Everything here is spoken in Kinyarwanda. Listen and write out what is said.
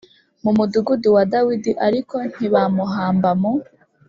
mu mudugudu wa Dawidi ariko ntibamuhamba mu